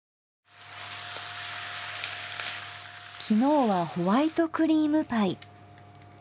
昨日はホワイトクリームパイ。